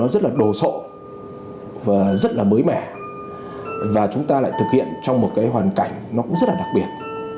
rất đồ sộ và rất mới mẻ và chúng ta lại thực hiện trong một hoàn cảnh rất đặc biệt